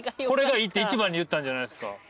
これがいいって１番に言ったんじゃないですか。